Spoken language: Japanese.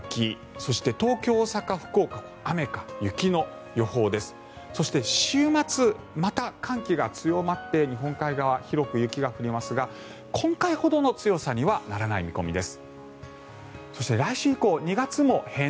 そして週末また寒気が強まって日本海側、広く雪が降りますが今回ほどの強さにはならない見込みです。